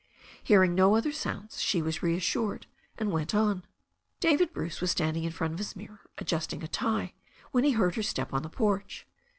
Hearing no other sounds, she was reassured and went on. David Bruce was standing in front of his mirror adjusting a tie when he heard her step on the porch.